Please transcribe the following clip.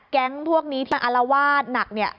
แก๊งพวกนี้ที่อารวาสหนักเนี่ย